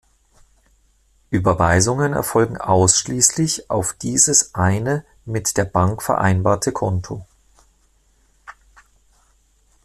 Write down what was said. Überweisungen erfolgen ausschließlich auf dieses eine mit der Bank vereinbarte Konto.